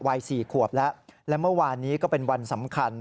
วัย๔ขวบแล้วและเมื่อวานนี้ก็เป็นวันสำคัญ